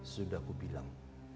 sudah ku bilang